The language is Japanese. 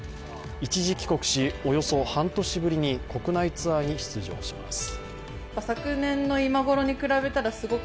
一時帰国し、およそ半年ぶりに国内ツアーに出場します。